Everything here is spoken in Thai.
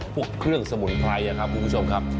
พวกเครื่องสมุนไพรครับคุณผู้ชมครับ